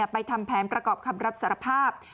ไปทำแผนประกอบคำรับสารภาพ